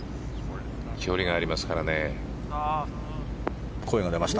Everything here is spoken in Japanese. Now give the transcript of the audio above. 距離がありますからね。